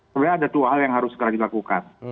sebenarnya ada dua hal yang harus segera dilakukan